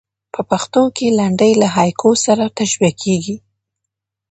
په پښتو کښي لنډۍ له هایکو سره تشبیه کېږي.